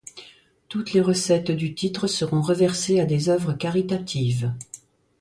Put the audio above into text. Toutes les recettes du titre seront reversées à des œuvres caritatives.